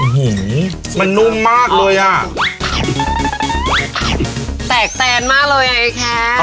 หายนมมากเลยแตกแตนมากเลยแอ้แคะ